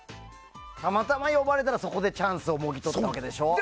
たまたま呼ばれたらそこでチャンスをもぎ取ったわけでしょ。